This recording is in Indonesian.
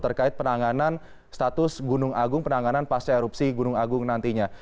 terkait penanganan status gunung agung penanganan pasca erupsi gunung agung nantinya